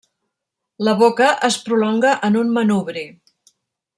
La boca es prolonga en un manubri.